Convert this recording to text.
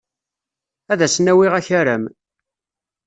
Ad asen-awiɣ akaram.